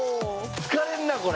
疲れんなこれ。